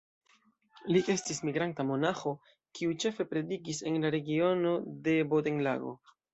Li estis migranta monaĥo, kiu ĉefe predikis en la regiono de Bodenlago.